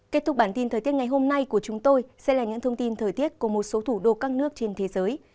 kết thúc bản tin thời tiết ngày hôm nay của chúng tôi sẽ là những thông tin thời tiết của một số thủ đô các nước trên thế giới